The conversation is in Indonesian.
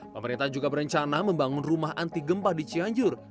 pemerintah juga berencana membangun rumah anti gempa di cianjur